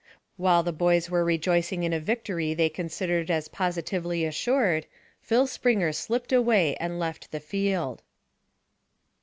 While the boys were rejoicing in a victory they considered as positively assured, Phil Springer slipped away and left the field.